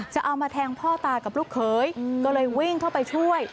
จะเอามาแทงพ่อตากับลูกเขยก็เลยวิ่งเข้าไปช่วย